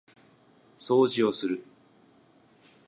掃除をする